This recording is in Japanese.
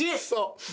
そう。